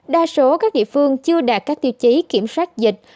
đa số các địa phương chưa đạt các tiêu chí kiểm soát dịch